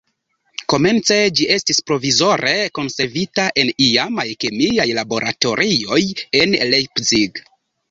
Komence ĝi estis provizore konservita en iamaj kemiaj laboratorioj en Leipzig.